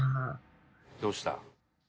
「どうした？」